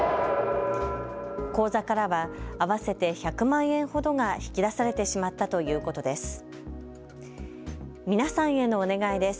口座からは合わせて１００万円ほどが引き出されてしまったということです。